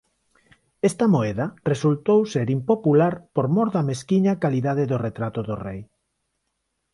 Esta moeda resultou ser impopular por mor da mesquiña calidade do retrato do rei.